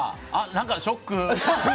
何か、ショック。